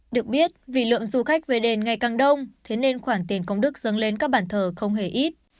được biết vì lượng du khách về đền ngày càng đông thế nên khoản tiền công đức dâng lên các bàn thờ không hề ít